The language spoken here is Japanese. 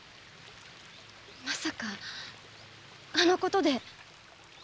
まさかあのことで。